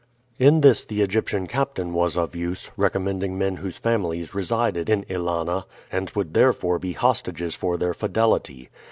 In this the Egyptian captain was of use, recommending men whose families resided in Ælana, and would therefore be hostages for their fidelity.